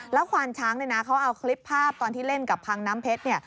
แล้วขวานช้างได้นะเค้าเอาคลิปภาพตอนที่เล่นกับพังนั้มเผ็ดเนี้ย